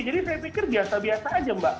jadi saya pikir biasa biasa aja mbak